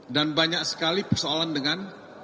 dan banyak sekali persoalan dengan